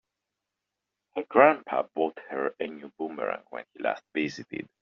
Her grandpa bought her a new boomerang when he last visited.